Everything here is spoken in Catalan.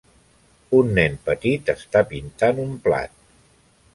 Un nen petit està pintant un plat.